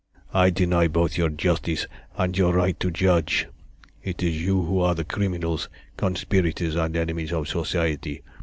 _] "I deny both your justice and your right to judge. It is you who are the criminals, conspirators, and enemies of Society.